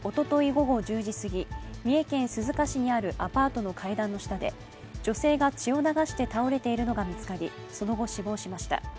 午後１０時すぎ、三重県鈴鹿市にあるアパートの階段の下で女性が血を流して倒れているのが見つかりその後死亡しました。